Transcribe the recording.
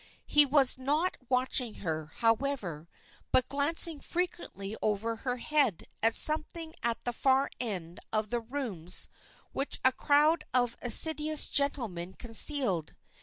He was not watching her, however, but glancing frequently over her head at something at the far end of the rooms which a crowd of assiduous gentlemen concealed.